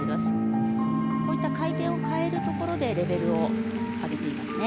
こういった回転を換えるところでレベルを上げていますね。